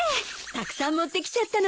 たくさん持ってきちゃったので。